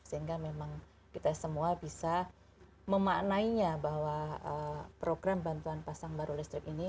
sehingga memang kita semua bisa memaknainya bahwa program bantuan pasang baru listrik ini